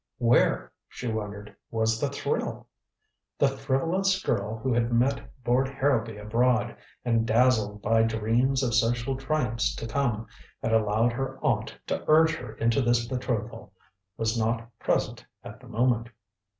Where, she wondered, was the thrill? The frivolous girl who had met Lord Harrowby abroad, and dazzled by dreams of social triumphs to come had allowed her aunt to urge her into this betrothal, was not present at the moment.